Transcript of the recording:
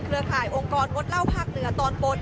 เครือข่ายองค์กรบสเหล้าภักดิ์ตอนบท